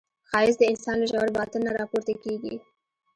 ښایست د انسان له ژور باطن نه راپورته کېږي